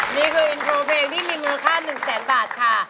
นี่คืออินโทรเพลงที่มีมูลค่า๑แสนบาทค่ะ